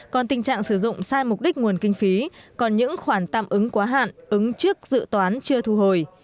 còn tình trạng sử dụng sai mục đích nguồn kinh phí còn những khoản tạm ứng quá hạn ứng trước dự toán chưa thu hồi